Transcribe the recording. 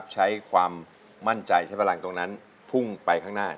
ใช้ความมั่นใจใช้พลังตรงนั้นพุ่งไปข้างหน้า